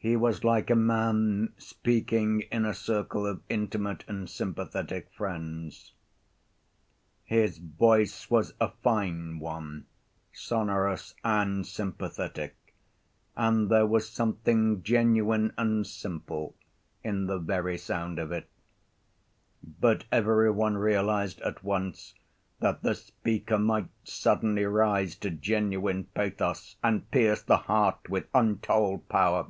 He was like a man speaking in a circle of intimate and sympathetic friends. His voice was a fine one, sonorous and sympathetic, and there was something genuine and simple in the very sound of it. But every one realized at once that the speaker might suddenly rise to genuine pathos and "pierce the heart with untold power."